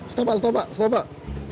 setepak setepak setepak